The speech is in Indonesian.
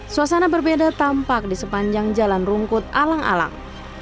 suasana berbeda tampak di sepanjang jalan rungkut alang alang